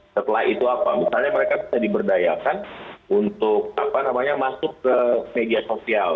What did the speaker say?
setelah itu apa misalnya mereka bisa diberdayakan untuk masuk ke media sosial